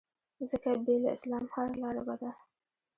ځکه بې له اسلام هره لاره بده